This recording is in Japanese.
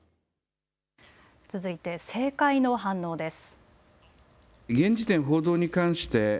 続いて政界の反応です。